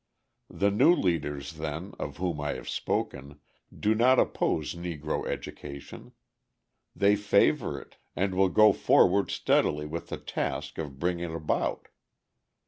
The new leaders, then, of whom I have spoken, do not oppose Negro education: they favour it and will go forward steadily with the task of bring it about.